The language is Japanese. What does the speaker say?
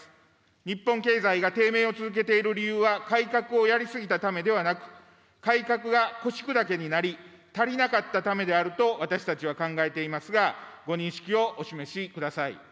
日本経済が低迷を続けている理由は改革をやり過ぎたためではなく、改革が腰砕けになり、足りなかったためであると、私たちは考えていますが、ご認識をお示しください。